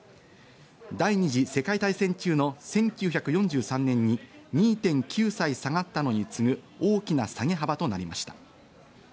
第２次世界大戦中の１９４３年に２．９歳下がったのに次ぐ大きな下げ幅となりました。